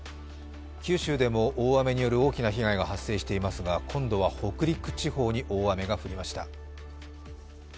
九州でも大雨による大きな被害が発生していますが今度は北陸地方に大雨が降りました。